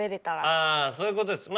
あぁそういうことです。